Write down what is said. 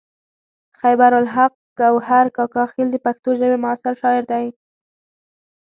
خیبر الحق ګوهر کاکا خیل د پښتو ژبې معاصر شاعر دی.